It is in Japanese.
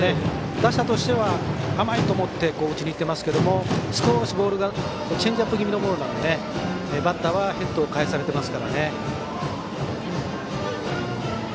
打者は甘いと思って打ちにいっていますが少しボールがチェンジアップ気味のボールなので、バッターはヘッドを返されています。